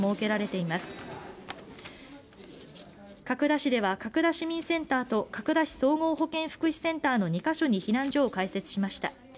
角田市では角田市民センターと角田市総合保健福祉センターの２ヶ所に避難所を開設しました。